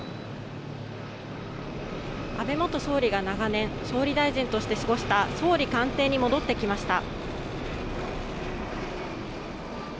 安倍元総理が長年、総理大臣として過ごした総理官邸に戻ってきました。